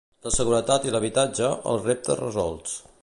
La seguretat i l'habitatge, els reptes resolts.